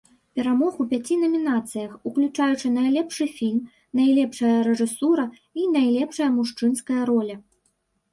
Перамог у пяці намінацыях, уключаючы найлепшы фільм, найлепшая рэжысура і найлепшая мужчынская роля.